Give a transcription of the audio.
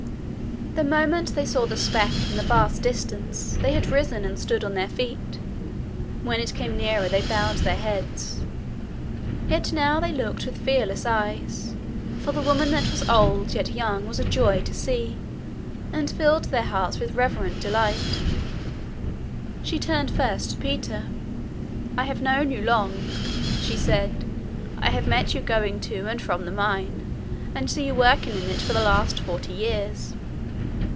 The moment they saw the speck in the vast distance they had risen and stood on their feet. When it came nearer they bowed their heads. Yet now they looked with fearless eyes, for the woman that was old yet young was a joy to see, and filled their hearts with reverent delight. She turned first to Peter. 'I have known you long,' she said. 'I have met you going to and from the mine, and seen you working in it for the last forty years.'